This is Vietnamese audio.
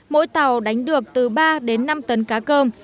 mỗi tàu đánh được từ ba đến năm tấn cá cơm